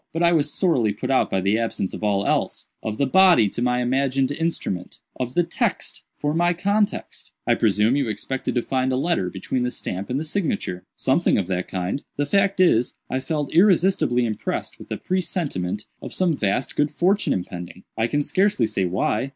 But I was sorely put out by the absence of all else—of the body to my imagined instrument—of the text for my context." "I presume you expected to find a letter between the stamp and the signature." "Something of that kind. The fact is, I felt irresistibly impressed with a presentiment of some vast good fortune impending. I can scarcely say why.